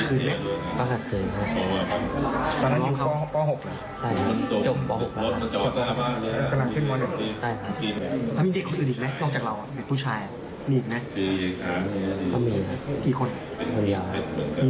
เขากินหยอกไหมตอนนั้นขัดคืนไหม